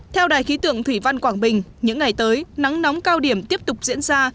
theo đài khí tượng thủy văn quảng bình những ngày tới nắng nóng cao điểm tiếp tục diễn ra